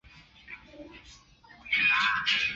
几兄弟姊妹曾协助谭父运作冶金山寨厂。